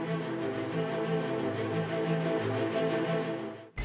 saya vaierkan pelajaran ketemu dengan para penjahat